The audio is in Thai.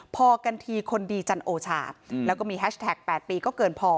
พอกันทีคนดีจันโอชาแล้วก็มีแฮชแท็ก๘ปีก็เกินพอ